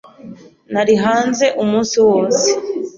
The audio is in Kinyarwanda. Nari hanze umunsi wose.